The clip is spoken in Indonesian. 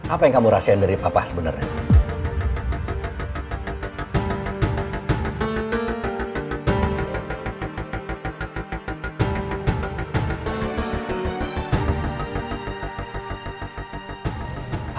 apa yang kamu rahasian dari papa sebenernya